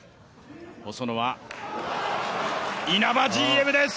細野は、稲葉ＧＭです。